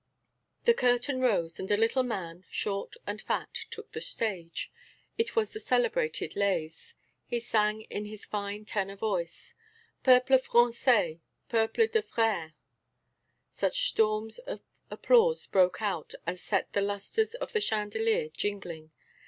The curtain rose and a little man, short and fat, took the stage; it was the celebrated Lays. He sang in his fine tenor voice: Peuple français, peuple de frères!... Such storms of applause broke out as set the lustres of the chandelier jingling.